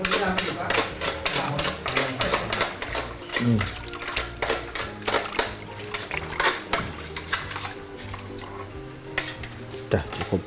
ini sudah cukup